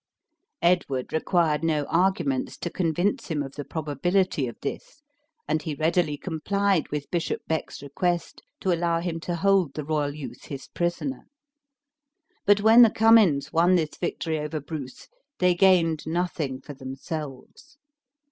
Edward required no arguments to convince him of the probability of this; and he readily complied with Bishop Beck's request to allow him to hold the royal youth his prisoner. But when the Cummins won this victory over Bruce, they gained nothing for themselves.